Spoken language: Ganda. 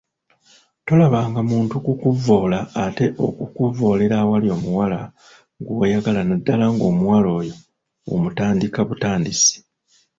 Tolaba nga muntu kukuvvoola ate n’okuvvoolera awali omuwala gw’oyagala naddala ng’omuwala oyo omutandika butandisi!